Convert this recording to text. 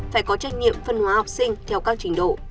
phải có trách nhiệm phân hóa học sinh theo các trình độ